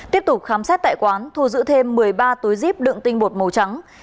tiếp tục khám xét tại quán thu giữ thêm một mươi ba túi zip đựng tinh bột màu trắng